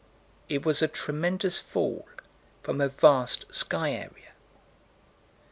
It was a tremendous fall from a vast sky area.